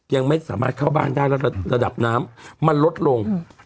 ยังไม่สามารถเข้าบ้านได้แล้วระดับน้ำมันลดลง